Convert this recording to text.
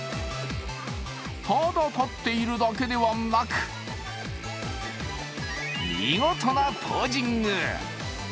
ただ立っているだけではなく、見事なポージング。